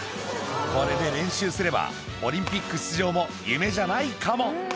これで練習すれば、オリンピック出場も夢じゃないかも。